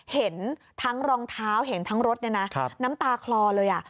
เห็นทั้งรองเท้าเห็นทั้งรถเนี่ยนะน้ำตาคลอเลย